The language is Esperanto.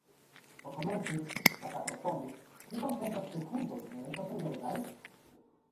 "Por komenci," la Kato respondis, "vi konsentas ke hundoj ne estas frenezaj?"